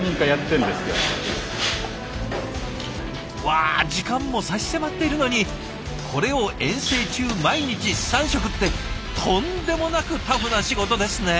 わ時間も差し迫っているのにこれを遠征中毎日３食ってとんでもなくタフな仕事ですね。